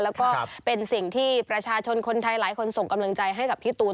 แล้วก็เป็นสิ่งที่ประชาชนคนไทยหลายคนส่งกำลังใจให้กับพี่ตูน